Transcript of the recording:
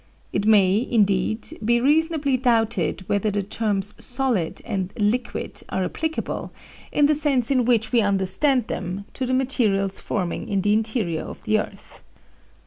It may, indeed, be reasonably doubted whether the terms solid and liquid are applicable, in the sense in which we understand them, to the materials forming the interior of the earth.